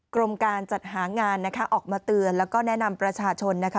กรมการจัดหางานนะคะออกมาเตือนแล้วก็แนะนำประชาชนนะคะ